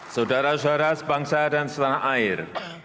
saudara saudara sebangsa dan setanah air